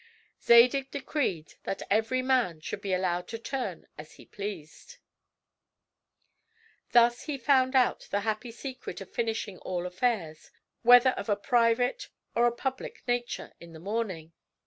Zadig decreed that every man should be allowed to turn as he pleased. Thus he found out the happy secret of finishing all affairs, whether of a private or a public nature, in the morning.